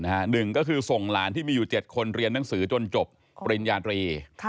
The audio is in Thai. หนึ่งก็คือส่งหลานที่มีอยู่๗คนเรียนหนังสือจนจบปริญญาตรี